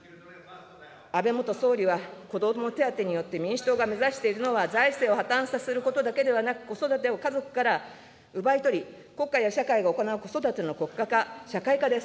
安倍元総理は、子ども手当によって民主党が目指しているのは、財政を破綻させることだけではなく、子育てを家族から奪い取り、国家や社会が行う子育ての国家化、社会化です。